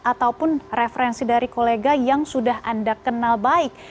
ataupun referensi dari kolega yang sudah anda kenal baik